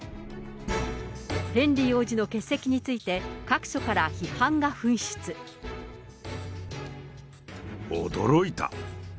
ヘンリー王子の欠席について、驚いた。